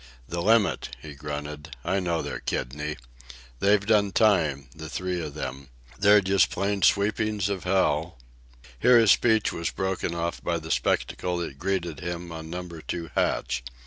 "The limit," he grunted. "I know their kidney. They've done time, the three of them. They're just plain sweepings of hell—" Here his speech was broken off by the spectacle that greeted him on Number Two hatch.